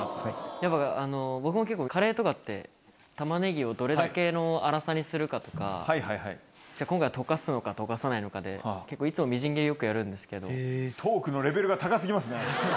やっぱ、僕も結構、カレーとかって、タマネギをどれだけの粗さにするかとか、今回、溶かすのか溶かさないのかで、結構、いつもみじん切り、よくやトークのレベルが高すぎますね。